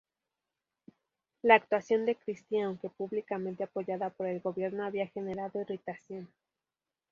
La actuación de Christie, aunque públicamente apoyada por el gobierno, había generado irritación.